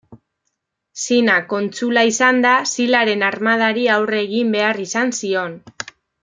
Zina, kontsula izanda, Silaren armadari aurre egin behar izan zion.